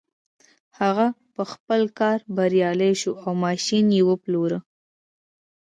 هغه په خپل کار بريالی شو او ماشين يې وپلوره.